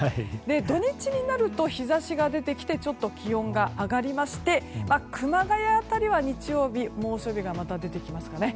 土日になると日差しが出てきてちょっと気温が上がり熊谷辺りは日曜日猛暑日がまた出てきますかね。